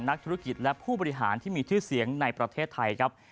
นักธุรกิจและผู้บริหารที่มีชื่อเสียงในประเทศไทยครับ